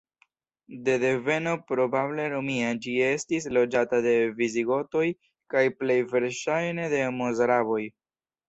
De deveno probable romia, ĝi estis loĝata de visigotoj kaj plej verŝajne de mozaraboj.